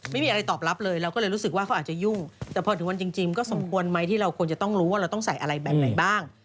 ไม่มีอะไรตอบรับเลยเราก็เลยรู้สึกว่าเขาอาจจะยุ่งแต่พอถึงวันจริงก็สมควรไหมที่เราควรจะต้องรู้ว่าเราต้องใส่อะไรแบบไหนบ้าง